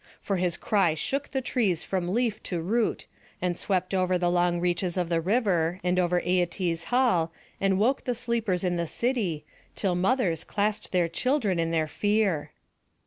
For his cry shook the trees from leaf to root, and swept over the long reaches of the river, and over Æetes's hall, and woke the sleepers in the city, till mothers clasped their children in their fear.